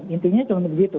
intinya cuma begitu